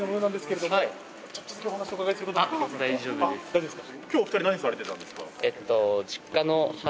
大丈夫ですか。